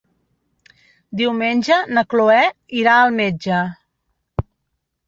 Diumenge na Cloè irà al metge.